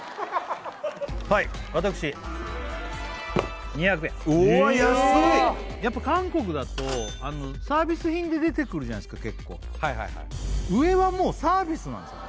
はい私２００円おわっ安いやっぱ韓国だとサービス品で出てくるじゃないですか結構上はもうサービスなんですよ